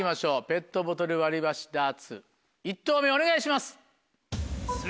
ペットボトル割り箸ダーツ１投目お願いします。